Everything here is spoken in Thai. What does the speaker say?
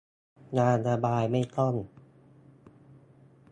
ยาระบายไม่ต้อง